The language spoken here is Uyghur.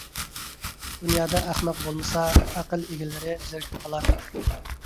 دۇنيادا ئەخمەق بولمىسا، ئەقىل ئىگىلىرى زېرىكىپ قالار.